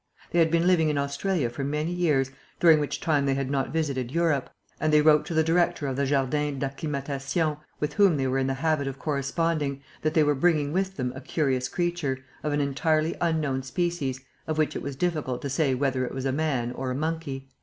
They had been living in Australia for many years, during which time they had not visited Europe; and they wrote to the director of the Jardin d'Acclimatation, with whom they were in the habit of corresponding, that they were bringing with them a curious creature, of an entirely unknown species, of which it was difficult to say whether it was a man or a monkey.